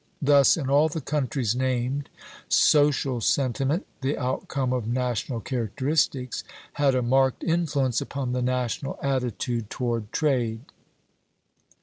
Thus, in all the countries named, social sentiment, the outcome of national characteristics, had a marked influence upon the national attitude toward trade.